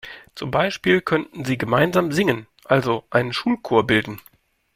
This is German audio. Zum Beispiel könnten sie gemeinsam singen, also einen Schulchor bilden.